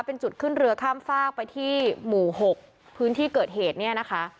เป็นจุดขึ้นเรือข้ามฝากไปที่หมู่๖พื้นที่เกิดเหตุเนี่ยนะคะ